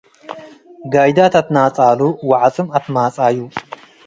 ገይዳት አትናጻሉ - ወዐጽም አትማጻዩ